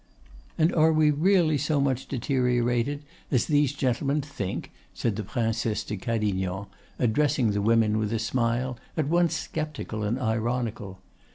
"And are we really so much deteriorated as these gentlemen think?" said the Princesse de Cadignan, addressing the women with a smile at once sceptical and ironical.